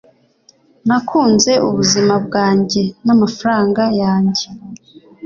nakunze ubuzima bwanjye n'amafaranga yanjye